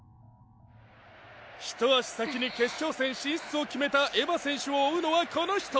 ひと足先に決勝戦進出を決めたエヴァ選手を追うのはこの人！